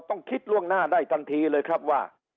ต้องคิดล่วงหน้าได้ทันทีเลยครับว่า